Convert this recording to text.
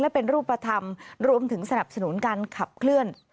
และเป็นรูปธรรมรวมถึงสนับสนุนการขับเคลื่อน